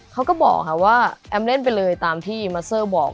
เขาก็บอกค่ะว่าแอมเล่นไปเลยตามที่มัสเซอร์บอก